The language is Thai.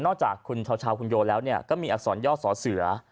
นอกจากชาวคุณโยแล้วเนี่ยก็มีอักษรย่อส๋อเสือ